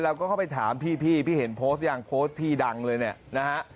เราก็เข้าไปถามพี่พี่เห็นโพสต์ยังโพสต์พี่ดังเลยเนี่ยนะฮะ